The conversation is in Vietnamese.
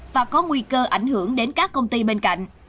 và có nguy cơ ảnh hưởng đến các công ty bên cạnh